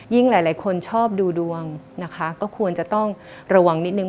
หลายคนชอบดูดวงนะคะก็ควรจะต้องระวังนิดนึง